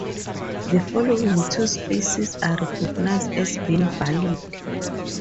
The following two species are recognized as being valid.